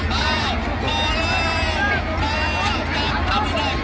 มาแล้วครับพี่น้อง